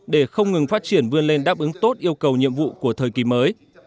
để không ngừng phát triển vươn lên đáp ứng tốt yêu cầu nhiệm vụ của thời kỳ mới